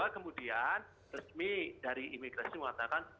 kemudian resmi dari imigrasi mengatakan